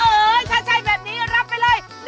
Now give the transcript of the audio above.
เออถ้าใช่แบบนี้รับไปเลย๑๐๐๐บาท